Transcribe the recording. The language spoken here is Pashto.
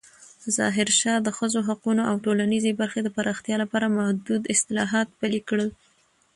ظاهرشاه د ښځو حقونو او ټولنیزې برخې د پراختیا لپاره محدود اصلاحات پلې کړل.